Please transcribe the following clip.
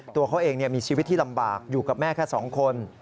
ตัวเขาเองมีชีวิตที่ลำบากอยู่กับแม่แค่๒คน